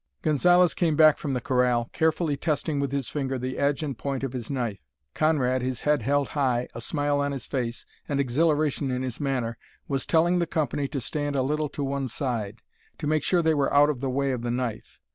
Gonzalez came back from the corral, carefully testing with his finger the edge and point of his knife. Conrad, his head held high, a smile on his face and exhilaration in his manner, was telling the company to stand a little to one side, to make sure they were out of the way of the knife.